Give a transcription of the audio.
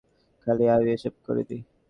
খালি আমিই এইসব করিনা!